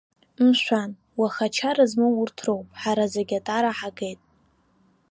Мшәан, уаха ачара змоу урҭ роуп, ҳара зегьы атара ҳагеит.